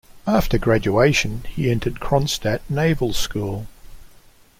After graduation, he entered Kronstadt Naval School.